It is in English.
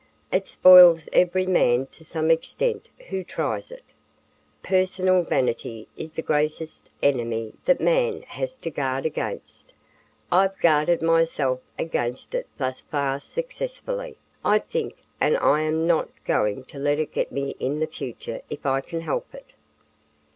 It spoils every man to some extent who tries it. Personal vanity is the greatest enemy that man has to guard against. I've guarded myself against it thus far successfully, I think, and I'm not going to let it get me in the future if I can help it."